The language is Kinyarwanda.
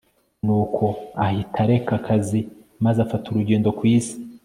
nuko ahita areka akazi maze afata urugendo ku isi